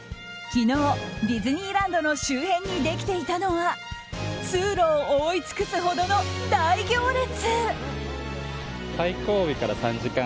昨日、ディズニーランドの周辺にできていたのは通路を覆い尽くすほどの大行列。